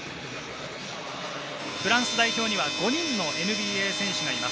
フランス代表には５人のＮＢＡ選手がいます。